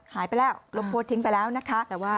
หายไปแล้วลบโพสต์ทิ้งไปแล้วนะคะ